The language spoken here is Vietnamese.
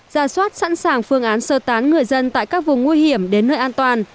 ra soát sẵn sàng phương án sơ tán người dân tại các vùng nguy hiểm đến nơi an toàn